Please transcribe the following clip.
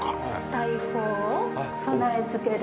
大砲を備え付ける。